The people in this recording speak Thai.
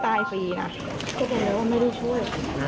ที่พูดแล้วว่าไม่ได้ช่วย